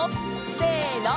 せの！